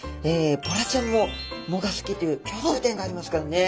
ボラちゃんも藻が好きという共通点がありますからね。